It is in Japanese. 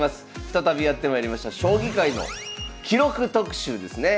再びやってまいりました将棋界の記録特集ですね。